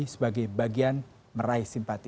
sebagai bagian meraih simpati